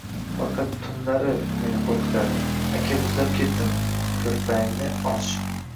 Faqat tunlari meni qo’rqitardi: “Aka, muzlab ketdim, ko’rpangni och”